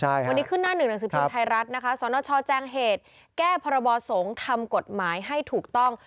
วันนี้ขึ้นหน้าหนึ่งหนังสือพิมพ์ไทยรัฐนะคะสนชแจ้งเหตุแก้พรบสงฆ์ทำกฎหมายให้ถูกต้อง